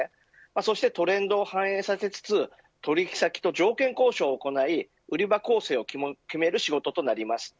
そして、トレンドを反映させつつ取引先と条件交渉を行い売り場構成を決める仕事です。